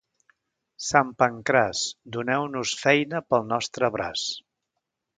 Sant Pancraç, doneu-nos feina pel nostre braç.